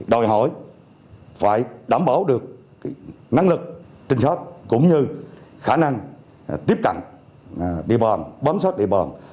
đòi hỏi phải đảm bảo được năng lực trình sát cũng như khả năng tiếp cận địa bàn bám sát địa bàn